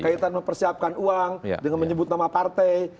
kaitan mempersiapkan uang dengan menyebut nama partai